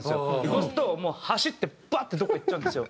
そうするともう走ってバッてどこか行っちゃうんですよ。